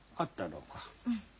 うん。